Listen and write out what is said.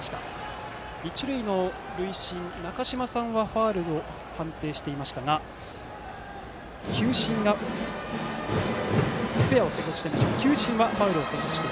一塁の塁審、中島さんはファウルと判定していましたが球審はフェアを宣告しています。